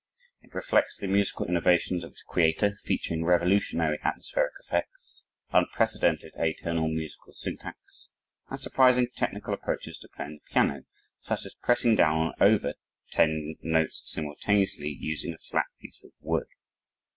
It reflects the musical innovations of its creator, featuring revolutionary atmospheric effects, unprecedented atonal musical syntax, and surprising technical approaches to playing the piano, such as pressing down on over 10 notes simultaneously using a flat piece of wood.